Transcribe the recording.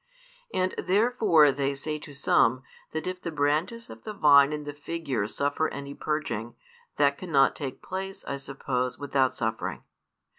And therefore they say to some, that if the branches of the vine in the figure suffer any purging, that cannot take place, I suppose, without suffering.